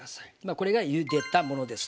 これがゆでたものです。